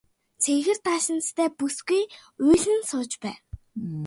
Цэнхэр даашинзтай бүсгүй уйлан сууж байв.